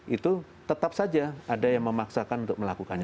itu tetap saja ada yang memaksakan untuk melakukannya